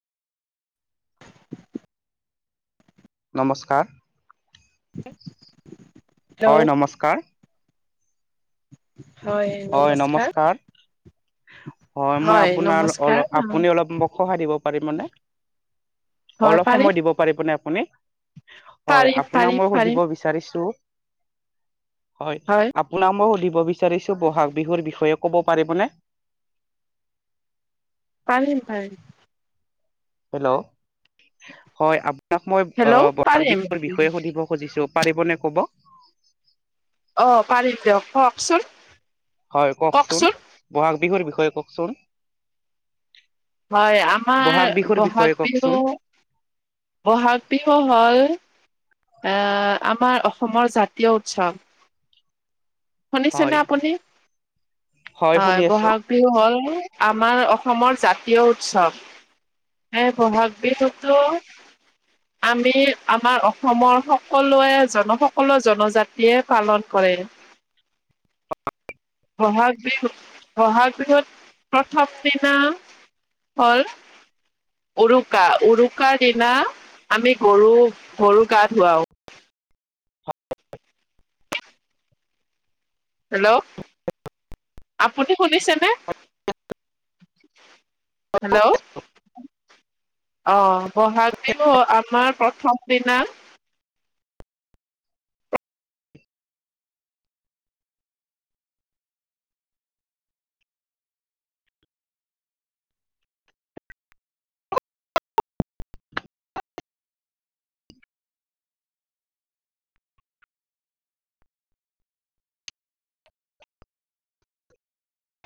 নমস্কাৰ। [unintelligible] হয়, নমস্কাৰ। হয়, নমস্কাৰ। হয় মই আপোনাৰ নমস্কাৰ অলপ অ, আপুনি অলপ মোক সহাই দিব পাৰিম মানে? হয় অলপ পাৰিম সময় দিব পাৰিবনে? আপুনি হয় পাৰিম আপোনাক পাৰিম মই পাৰিম সুধিবা বিচাৰিছোঁ হয়, হয়, আপোনাক মই সুধিব বিচাৰিছোঁ ব'হাগ বিহুৰ বিষয়ে ক'ব পাৰিবনে? পাৰি পাৰি। হেল্ল' হয় আপোনাক মই হেল্ল' বহাগ পাৰিম বিহ বিষয়ে সুধিব খুজিছো পাৰিব নে কব? অ, পাৰিম দিয়ক কওকচোন। হয় কওকচোন বহাগ বিহুৰ বিষয়ে কওকচোন। হয়, বহাগ আমাৰ বিহুৰ বিষয়ে বহাগ কওকচোন বিহু বহাগ বিহু হ'ল আমাৰ অসমৰ জাতীয় উৎসৱ। শুনিছেনে হয় আপুনি? শুনি হয় আছো বহাগ বিহু হ'ল আমাৰ অসমৰ জাতীয় উৎসৱ। এ, বহাগ বিহু তো [unintelligible] আমি আমাৰ অসমৰ সকলোৱে জন সকলো জনজাতিয়ে পালন কৰে। বহাগ বিহু বহাগ বিহুত প্ৰথম দিনা [inaudible] উৰুকা উৰুকাৰ দিনা আমি গৰু গৰু গা ধুৱাও। হেল্ল' আপু্ত শুনিছেনে? হেল্ল' অ, বহাগ বিহু আমাৰ প্ৰথম দিনা